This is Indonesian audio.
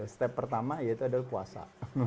step pertama yaitu adalah puasa